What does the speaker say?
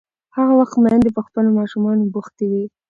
هغه وخت میندې په خپلو ماشومانو بوختې وې.